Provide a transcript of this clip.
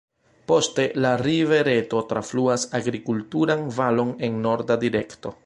Poste la rivereto trafluas agrikulturan valon en norda direkto.